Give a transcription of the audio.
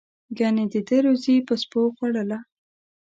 گني د ده روزي به سپیو خوړله.